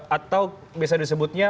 atau bisa disebutnya